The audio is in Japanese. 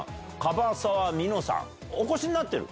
お越しになってる？